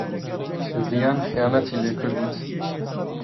ڤیان خیانەتی لێ کردیت.